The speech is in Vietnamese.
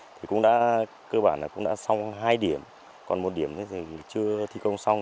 thì cũng đã cơ bản là cũng đã xong hai điểm còn một điểm chưa thi công xong